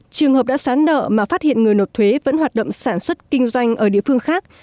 trường hợp đã sán nợ mà phát hiện người nộp thuế vẫn hoạt động sản xuất kinh doanh ở địa phương khác